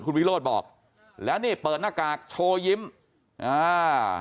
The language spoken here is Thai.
คุณวิโรธบอกแล้วนี่เปิดหน้ากากโชว์ยิ้มอ่า